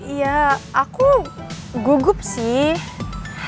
ya aku gugup sih